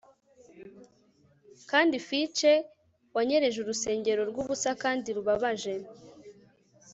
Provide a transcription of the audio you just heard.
Kandi Fichte wanyereje urusengero rwubusa kandi rubabaje